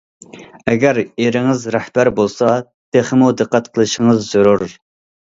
ئەگەر ئېرىڭىز رەھبەر بولسا تېخىمۇ دىققەت قىلىشىڭىز زۆرۈر.